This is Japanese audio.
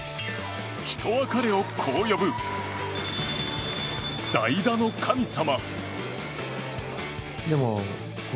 人は彼をこう呼ぶ、代打の神様。